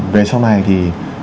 về sau này thì